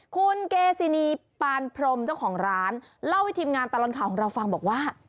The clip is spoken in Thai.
คุณเกซินีปานพรมเจ้าของร้านเล่าให้ทีมงานตลอดข่าวของเราฟังบอกว่า